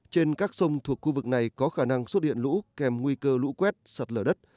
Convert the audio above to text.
trên các sông thuộc khu vực này có khả năng xuất hiện lũ kèm nguy cơ lũ quét sạt lở đất